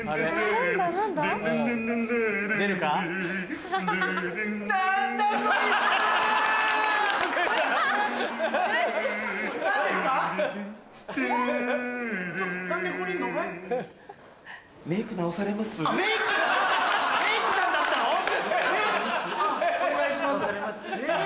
判定お願いします。